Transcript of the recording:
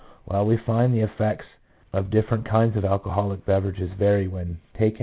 While we find the effects of different kinds of alcoholic beverages vary when 1 L. F.